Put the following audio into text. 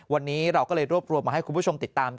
วันนี้เราก็เลยรวบรวมมาให้คุณผู้ชมติดตาม